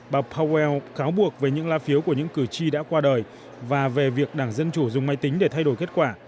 bà powell cáo buộc về những lá phiếu của những cử tri đã qua đời và về việc đảng dân chủ dùng máy tính để thay đổi kết quả